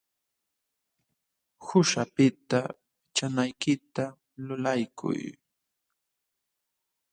Quśhapiqta pichanaykita lulaykuy.